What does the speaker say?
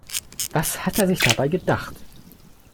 Was hat er sich dabei gedacht?